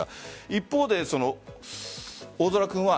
一方で大空君は